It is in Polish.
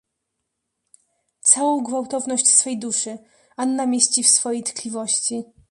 "Całą gwałtowność swej duszy, Anna mieści w swojej tkliwości."